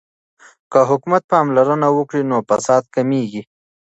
که حکومت پاملرنه وکړي نو فساد کمیږي.